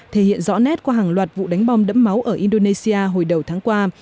thể hiện rõ nét qua hàng loạt vụ đánh bom đẫm máu ở indonesia hồi đầu tháng qua